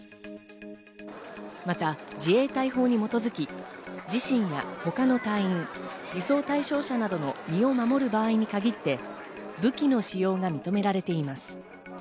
また自衛隊法に基づき、自身や他の隊員、武装対象者などの身を守る場合に限って武器の使用が認められています。